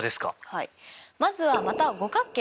はい。